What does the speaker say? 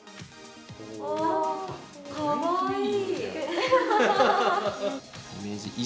かわいい。